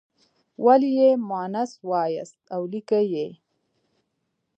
ولې یې مونث وایاست او لیکئ یې.